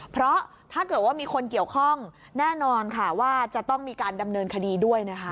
เพราะถ้าเกิดว่ามีคนเกี่ยวข้องแน่นอนค่ะว่าจะต้องมีการดำเนินคดีด้วยนะคะ